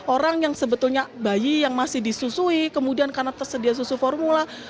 orang yang sebetulnya bayi yang masih disusui kemudian karena tersedia susu formula